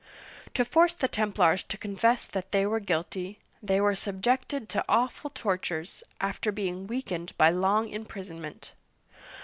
To force the Templars to confess that they were guilty, they were subjected to awful tortures, after being weakened by long imprisonment.